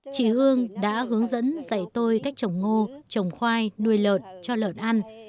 chị hương đã hướng dẫn dạy tôi cách trồng ngô trồng khoai nuôi lợn cho lợn ăn